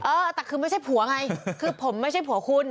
เออแต่คือไม่ใช่ผัวไงคือผมไม่ใช่ผัวคุณ